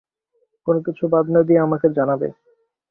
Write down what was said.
কোনো কিছু বাদ না দিয়ে আমাকে জানাবে।